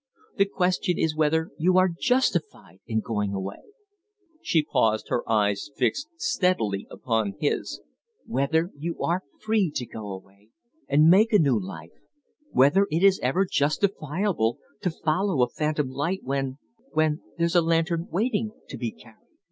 The question is whether you are justified in going away" she paused, her eyes fixed steadily upon his "whether you are free to go away, and make a new life whether it is ever justifiable to follow a phantom light when when there's a lantern waiting to be carried."